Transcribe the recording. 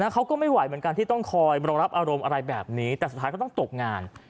เขาก็ไม่ไหวเหมือนกันที่ต้องคอยรองรับอารมณ์อะไรแบบนี้แต่สุดท้ายเขาต้องตกงาน